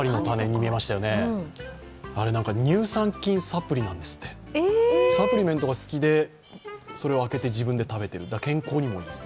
あれ、乳酸菌サプリなんですってサプリメントが好きでそれを開けて自分で食べている、だから健康にもいい。